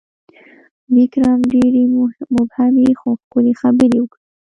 ویکرم ډېرې مبهمې، خو ښکلي خبرې وکړې: